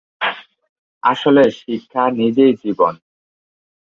আসলে শিক্ষা নিজেই জীবন।